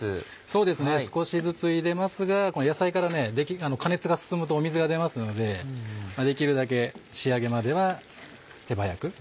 そうですね少しずつ入れますが野菜から加熱が進むと水が出ますのでできるだけ仕上げまでは手早く。